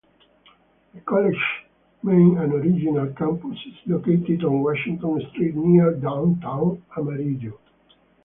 The college's main and original campus is located on Washington Street near downtown Amarillo.